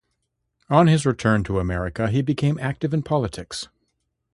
On his return to America, he became active in politics.